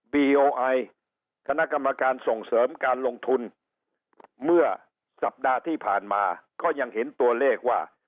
ดีโอไอคณะกรรมการส่งเสริมการลงทุนเมื่อสัปดาห์ที่ผ่านมาก็ยังเห็นตัวเลขว่า